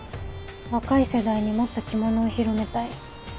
若い世代にもっと着物を広めたい。